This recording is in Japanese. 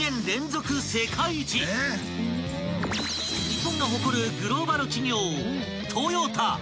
［日本が誇るグローバル企業］